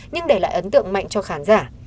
nhưng để lại ấn tượng mạnh cho khán giả